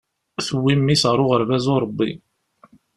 Tewwi mmi-s ɣer uɣerbaz uṛebbi.